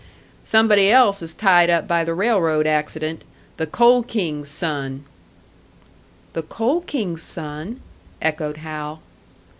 "Somebody else is tied up by the railroad accident. The Coal King's son!" "The Coal King's son?" echoed Hal.